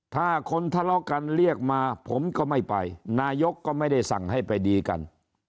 ถ้าคนทะเลาะกันเรียกมาผมก็ไม่ไปนายกก็ไม่ได้สั่งให้ไปดีกัน